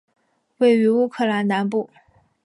位于乌克兰南部。